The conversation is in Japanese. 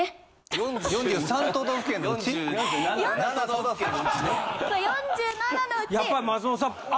やっぱ松本さん。